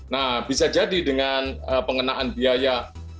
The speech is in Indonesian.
nah bisa jadi dengan pengenaan biaya